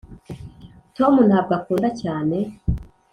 tom ntabwo akunda cyane.